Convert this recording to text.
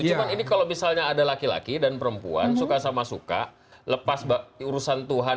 cuma ini kalau misalnya ada laki laki dan perempuan suka sama suka lepas urusan tuhan